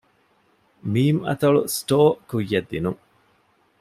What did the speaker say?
މ. އަތޮޅު ސްޓޯރ ކުއްޔަށް ދިނުން